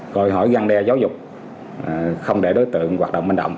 rồi hỏi găng đe giáo dục